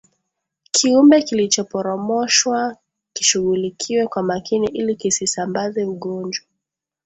Kiumbe kilichoporomoshwa kishughulikiwe kwa makini ili kisisambaze ugonjwa